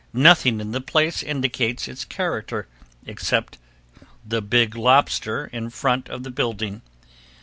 Nothing in the place indicates its character except the big lobster in front of the building.